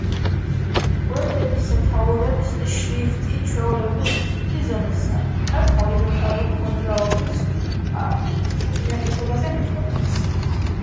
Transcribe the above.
გვერდების სათაურების შრიფტი, ჩვეულებრივ, დიდი ზომისაა, რაც ჰორიზონტალური მოძრაობის უპირატესობაზე მეტყველებს.